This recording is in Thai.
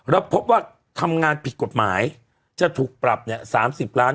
แล้วพบว่าทำงานผิดกฎหมายจะถูกปรับเนี่ย๓๐ล้าน